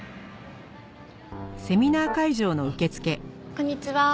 こんにちは。